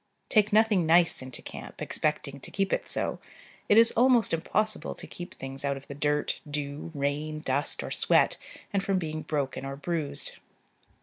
Take nothing nice into camp, expecting to keep it so: it is almost impossible to keep things out of the dirt, dew, rain, dust, or sweat, and from being broken or bruised.